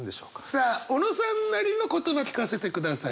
さあ小野さんなりの言葉聞かせてください。